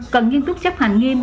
cần nghiên túc chấp hành nghiêm